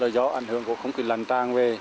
do ảnh hưởng của không khí lành tăng về